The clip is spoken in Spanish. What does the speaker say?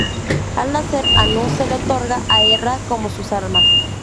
Al nacer, Anu se los otorga a Erra como sus armas.